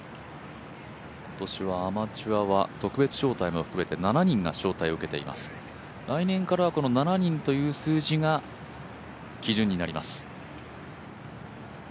今年はアマチュアは特別招待も含めて７人が招待を受けています、来年からこの７人という数字が基準になります。